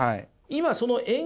今その円